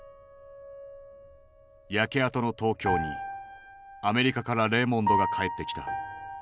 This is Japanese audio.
焼け跡の東京にアメリカからレーモンドが帰ってきた。